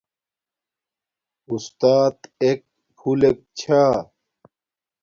اُستات ایک پھولک چھا